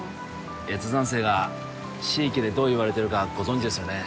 越山生が地域でどう言われてるかご存じですよね